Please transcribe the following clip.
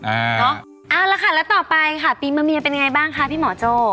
เอาละค่ะแล้วต่อไปค่ะปีมะเมียเป็นไงบ้างคะพี่หมอโจ้